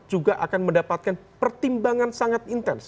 juga akan mendapatkan pertimbangan sangat intens